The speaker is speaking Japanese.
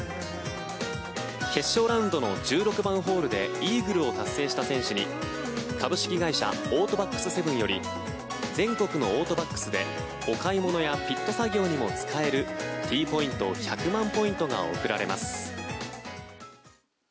決勝ラウンドの１６番ホールでイーグルを達成した選手に株式会社オートバックスセブンより全国のオートバックスでお買い物やピット作業にも使えるＴポイント１００万ポイントが贈られます。